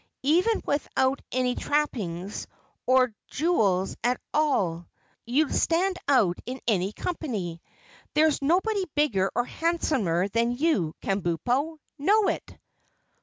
"Even without any trappings or jewels at all, you'd stand out in any company. There's nobody bigger or handsomer than you, Kabumpo! Know it?"